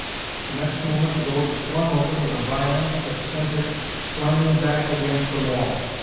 The next moment the door was flung open with a violence that sent it slamming back against the wall.